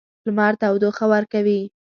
لمر تودوخه ورکوي.